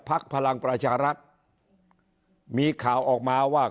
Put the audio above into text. พลังประชารัฐมีข่าวออกมาว่า